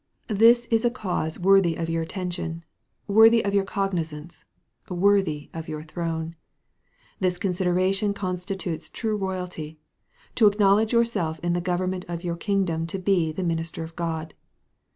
This is a cause worthy of your attention, worthy of your cognizance, worthy of your throne. This consideration constitutes true royalty, to acknowledge yourself in the government of your kingdom to be the minister of God.